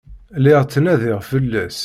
Lliɣ ttnadiɣ fell-as.